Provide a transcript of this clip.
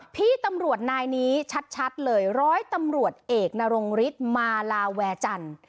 พี่ตำรวจนายนี้ชัดเลยร้อยตำรวจเอกนรงฤทธิ์มาลาแวจันทร์